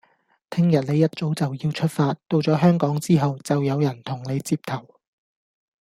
聽日一早你就要出發，到咗香港之後，就有人同你接頭